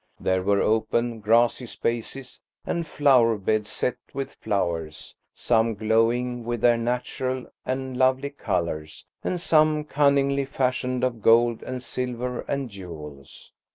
There were open, grassy spaces and flower beds set with flowers, some glowing with their natural and lovely colours and some cunningly fashioned of gold and silver and jewels.